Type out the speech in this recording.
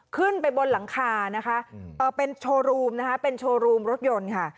ขึ้นไปบนหลังคานะคะเป็นโชว์รูมนะคะเป็นโชว์รูมรถยนต์ค่ะ